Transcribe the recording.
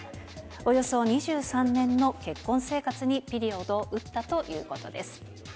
およそ２３年の結婚生活にピリオドを打ったということです。